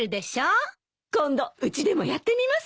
今度うちでもやってみます。